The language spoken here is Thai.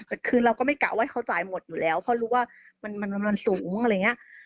แต่คือเราก็ไม่กะว่าเขาจ่ายหมดอยู่แล้วเพราะรู้ว่ามันสูงอะไรอย่างนี้